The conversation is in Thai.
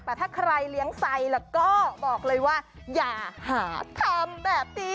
แต่ถ้าใครเลี้ยงไซแล้วก็บอกเลยว่าอย่าหาทำแบบนี้